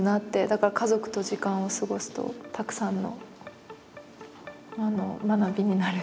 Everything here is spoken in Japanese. だから家族と時間を過ごすとたくさんの学びになるし。